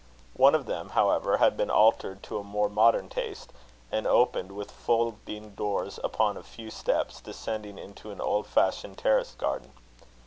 One of them, however, had been altered to a more modern taste, and opened with folding doors upon a few steps, descending into an old fashioned, terraced garden.